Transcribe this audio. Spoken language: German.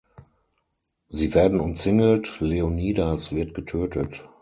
Sie werden umzingelt, Leonidas wird getötet.